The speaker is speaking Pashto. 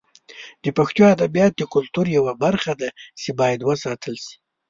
د پښتو ادبیات د کلتور یوه برخه ده چې باید وساتل شي.